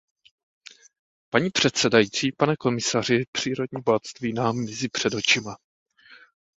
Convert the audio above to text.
Paní předsedající, pane komisaři, přírodní bohatství nám mizí před očima.